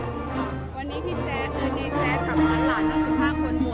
วันนี้พี่แจดเนี่ยกลับมาหลากับสิบห้าคนบวช